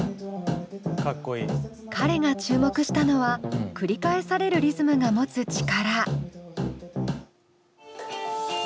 彼が注目したのは繰り返されるリズムが持つ力。